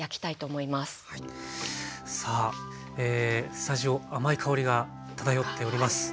スタジオ甘い香りが漂っております。